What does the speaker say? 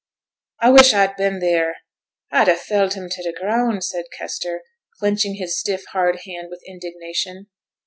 'A wish a'd been theere; a'd ha' felled him to t' ground,' said Kester, clenching his stiff, hard hand with indignation.